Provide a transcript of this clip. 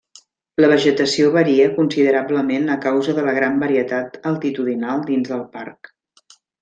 La vegetació varia considerablement a causa de la gran varietat altitudinal dins del parc.